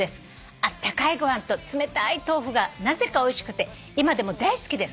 「あったかいご飯と冷たい豆腐がなぜかおいしくて今でも大好きです」